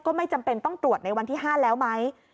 ไม่จำเป็นต้องตรวจในวันที่๕แล้วไหม